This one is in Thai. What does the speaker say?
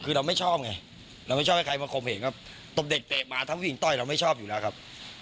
คือเราไม่ชอบไงเราไม่ชอบให้ใครมาคมเห็นครับตบเด็กเตะหมาทั้งผู้หญิงต้อยเราไม่ชอบอยู่แล้วครับ